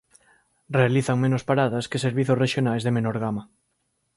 Realizan menos paradas que servizos rexionais de menor gama.